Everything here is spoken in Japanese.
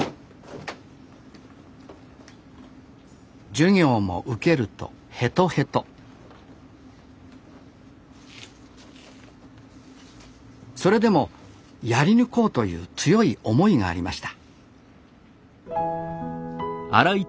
授業も受けるとヘトヘトそれでもやり抜こうという強い思いがありました